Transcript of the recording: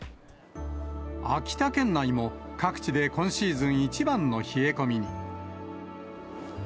秋田県内も、各地で今シーズン一番の冷え込みに。